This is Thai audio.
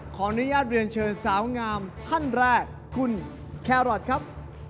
ขออนุญาตเรียนเชิญสาวงามท่านแรกคุณแครอทครับ